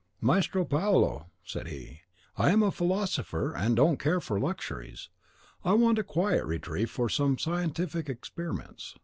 "'Maestro Paolo,' said he, 'I am a philosopher, and don't care for luxuries. I want a quiet retreat for some scientific experiments.